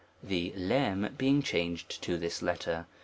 the j being changed to this letter.